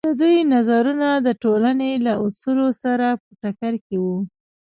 د دوی نظرونه د ټولنې له اصولو سره په ټکر کې وو.